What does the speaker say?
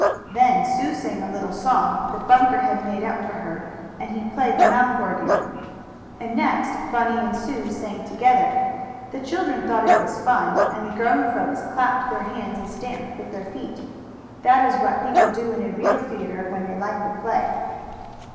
Then Sue sang a little song, that Bunker had made up for her, and he played the mouth organ. And next Bunny and Sue sang together. The children thought it was fine, and the grown folks clapped their hands, and stamped with their feet, which is what people do in a real theatre when they like the play.